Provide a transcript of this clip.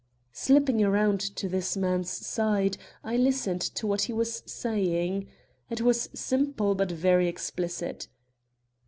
Slipping round to this man's side, I listened to what he was saying. It was simple but very explicit.